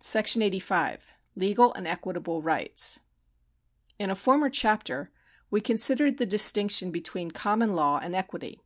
§ 85. Legal and Equitable Rights. In a former chapter we considered the distinction between common law and equity.